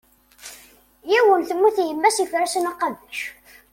Yiwen, temmut yemma-s, yeffer-asen aqabac.